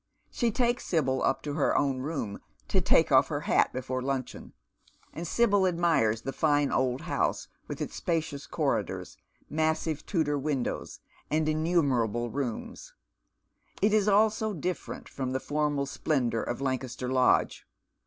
She takes Sibyl up to her own room to take off her hat before luncheon, and Sibyl admires the fine old house with its spacious corridors, massive Tudor windows, and iimiunerable rooms. It is all so different from the formal splendour of Lan caster Lodge.